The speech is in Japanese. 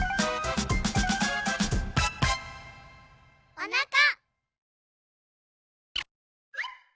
おなか。